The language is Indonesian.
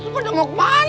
mendingan kita sabut aja